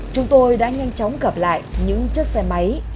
chúng tôi đã nhanh chóng gặp lại những chiếc xe máy